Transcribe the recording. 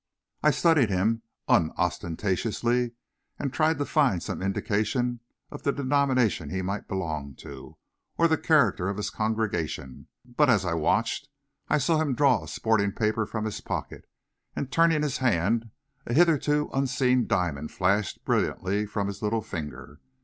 I studied him unostentatiously and tried to find some indication of the denomination he might belong to, or the character of his congregation, but as I watched, I saw him draw a sporting paper from his pocket, and turning his hand, a hitherto unseen diamond flashed brilliantly from his little finger.